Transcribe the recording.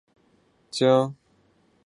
香江是一条越南中部的河流。